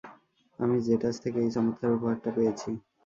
আমি জেটাস থেকে এই চমৎকার উপহারটা পেয়েছি।